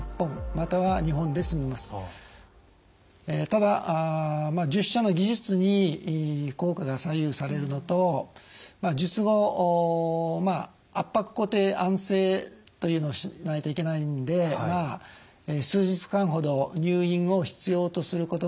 ただ術者の技術に効果が左右されるのと術後圧迫固定安静というのをしないといけないんで数日間ほど入院を必要とすることもあります。